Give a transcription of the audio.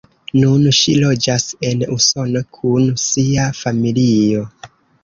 Nun ŝi loĝas en Usono kun sia familio.